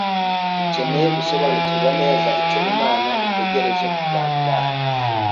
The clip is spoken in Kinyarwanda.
Dukeneye gusobanukirwa neza icyo Imana itegereje ku bantu bayo.